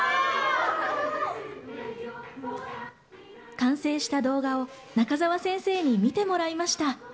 完成した動画を中澤先生に見てもらいました。